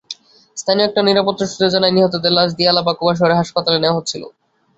স্থানীয় একটি নিরাপত্তা সূত্র জানায়, নিহতদের লাশ দিয়ালার বাকুবা শহরের হাসপাতালে নেওয়া হচ্ছিল।